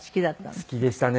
好きでしたね。